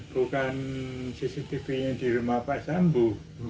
bukan cctv nya di rumah pak sambo